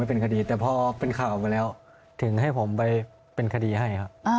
เป็นคดีแต่พอเป็นข่าวไปแล้วถึงให้ผมไปเป็นคดีให้ครับ